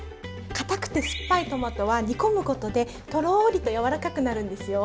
かたくて酸っぱいトマトは煮込むことでとろりとやわらかくなるんですよ。